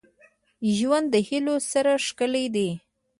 • ژوند د هيلو سره ښکلی دی.